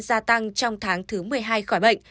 gia tăng trong tháng thứ một mươi hai khỏi bệnh